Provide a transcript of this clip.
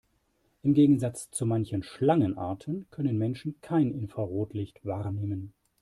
Im Gegensatz zu manchen Schlangenarten können Menschen kein Infrarotlicht wahrnehmen.